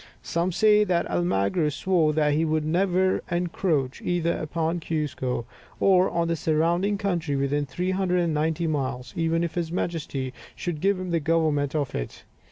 Some say that Almagro swore that he would never encroach either upon Cuzco or on the surrounding country within 390 miles, even if his Majesty should give him the government of it.